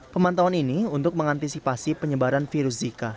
pemantauan ini untuk mengantisipasi penyebaran virus zika